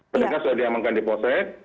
pendekas sudah diamankan di polsek